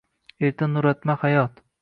Erta nuratma hayot